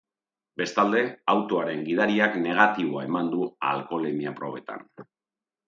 Bestalde, autoaren gidariak negatiboa eman du alkoholemia probetan.